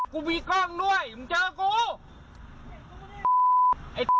กูมีกล้องด้วยมึงเจอกู